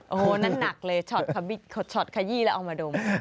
โอ้โหนั่นหนักเลยช็อตขยี้แล้วเอามาดม